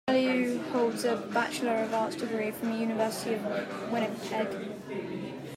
Taillieu holds a Bachelor of Arts degree from the University of Winnipeg.